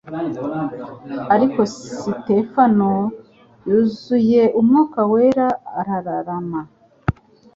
Ariko Sitefano yuzuye Umwuka Wera arararama